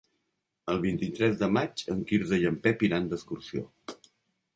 El vint-i-tres de maig en Quirze i en Pep iran d'excursió.